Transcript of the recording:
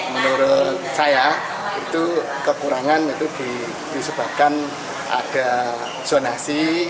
menurut saya itu kekurangan itu disebabkan ada zonasi